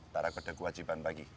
tarak bedah kewajiban bagi